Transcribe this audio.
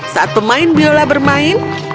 saat pemain biola bermain